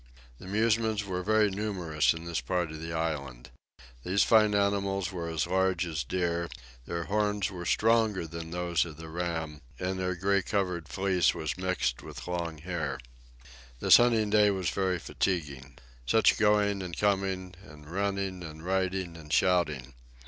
The musmons were very numerous in this part of the island. These fine animals were as large as deer; their horns were stronger than those of the ram, and their gray colored fleece was mixed with long hair. This hunting day was very fatiguing. Such going and coming, and running and riding and shouting!